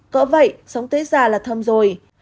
cỡ vậy sống tới già là thơm rồi